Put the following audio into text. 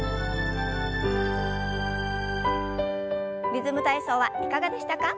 「リズム体操」はいかがでしたか？